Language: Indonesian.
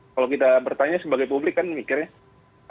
kalau kita bertanya sebagai publik kan mikirnya